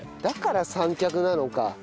だから三脚なのか。